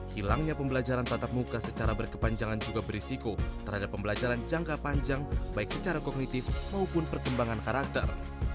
hilangnya pembelajaran tatap muka secara berkepanjangan juga berisiko terhadap pembelajaran jangka panjang baik secara kognitif maupun perkembangan karakter